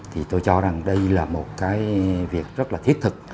thì tôi cho rằng đây là một cái việc rất là thiết thực